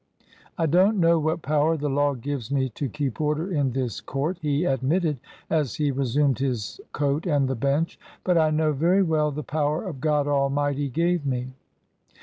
"I don't know what power the law gives me to keep order in this court," he admitted, as he re sumed his coat and the bench, "but I know very well the power God Almighty gave me."